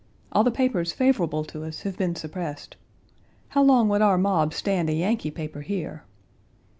All the papers favorable to us have been suppressed. How long would our mob stand a Yankee paper here?